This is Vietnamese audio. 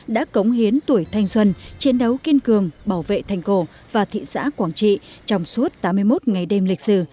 đã cống hiến tuổi thanh xuân chiến đấu kiên cường bảo vệ thành cổ và thị xã quảng trị trong suốt tám mươi một ngày đêm lịch sử